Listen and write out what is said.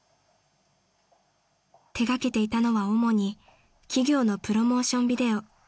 ［手掛けていたのは主に企業のプロモーションビデオ］